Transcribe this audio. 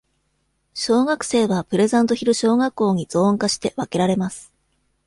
小学生は、プレザントヒル小学校にゾーン化して、分けられます。